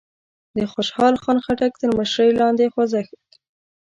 د خوشال خان خټک تر مشرۍ لاندې خوځښت